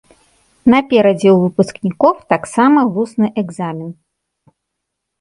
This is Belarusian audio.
Наперадзе ў выпускнікоў таксама вусны экзамен.